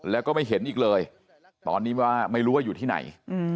แล้วก็ไม่เห็นอีกเลยตอนนี้ว่าไม่รู้ว่าอยู่ที่ไหน